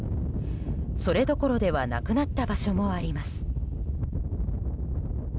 それどころではなくなった場所もあります。